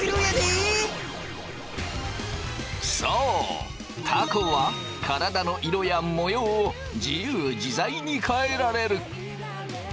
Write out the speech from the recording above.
そうたこは体の色や模様を自由自在に変えられる。